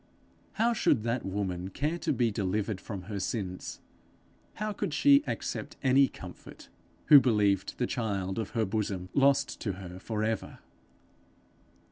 How should that woman care to be delivered from her sins, how could she accept any comfort, who believed the child of her bosom lost to her for ever?